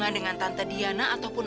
jangan tante jangan